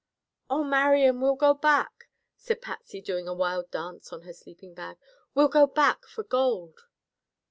"Oh, Marian! We'll go back," said Patsy, doing a wild dance on her sleeping bag. "We'll go back for gold!"